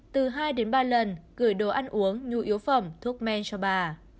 từ hai đến ba lần gửi đồ ăn uống nhu yếu phẩm thuốc men cho bà